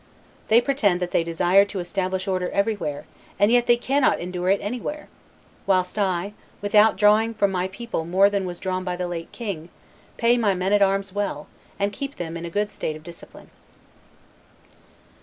They pretend that they desire to establish order everywhere, and yet they cannot endure it anywhere; whilst I, without drawing from my people more than was drawn by the late king, pay my men at arms well, and keep them in a good state of discipline."